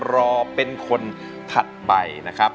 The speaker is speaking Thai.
รอเป็นคนถัดไปนะครับ